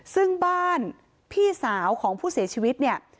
ซึ่งบ้านพี่สาวของผู้เสียชีวิตเนี่ย